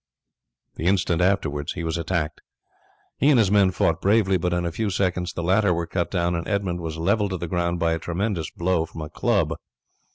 The instant afterwards he was attacked. He and his men fought bravely, but in a few seconds the latter were cut down and Edmund was levelled to the ground by a tremendous blow from a club.